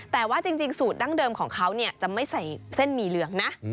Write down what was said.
แต่ว่าจริงสูตรดั้งเดิมของเขาจะไม่ใส่เส้นหมี่เหลืองนะ